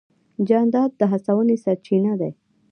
جانداد د هڅونې سرچینه دی.